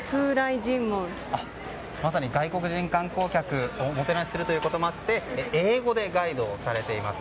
まさに外国人観光客をおもてなしするということもあって英語でガイドをされています。